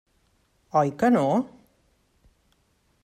Oi que no?